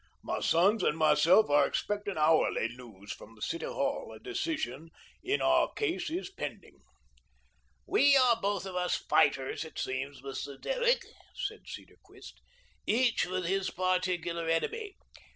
"My sons and myself are expecting hourly news from the City Hall, a decision in our case is pending." "We are both of us fighters, it seems, Mr. Derrick," said Cedarquist. "Each with his particular enemy.